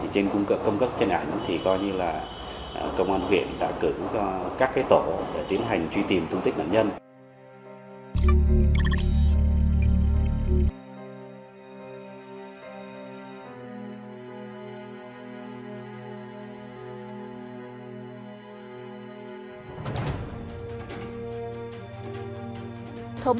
trên cung cấp trên ảnh thì gọi như là công an huyện đã cử các tổ để tiến hành truy tìm thông tích nạn nhân